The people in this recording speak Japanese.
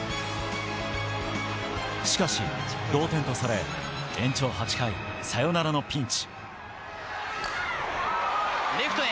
しかし、同点とされ、延長８回、サヨナラのピンチ。